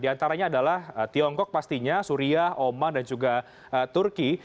di antaranya adalah tiongkok pastinya suria oman dan juga turki